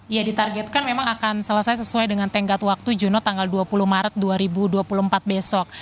ya ditargetkan memang akan selesai sesuai dengan tenggat waktu juno tanggal dua puluh maret dua ribu dua puluh empat besok